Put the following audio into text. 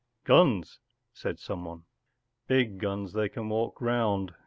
“ Guns,” said someone. “ Big guns they can walk round.